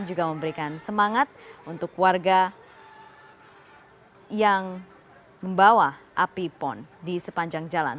juga memberikan semangat untuk warga yang membawa api pon di sepanjang jalan